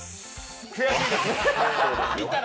悔しいです！